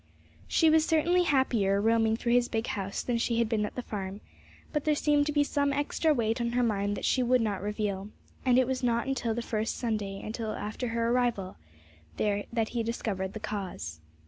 She was certainly happier roaming through his big house than she had been at the farm; but there seemed to be some extra weight on her mind that she would not reveal, and it was not until the first Sunday after her arrival there that he discovered the cause.